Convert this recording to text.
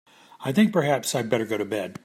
I think perhaps I'd better go to bed.